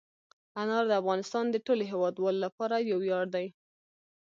انار د افغانستان د ټولو هیوادوالو لپاره یو ویاړ دی.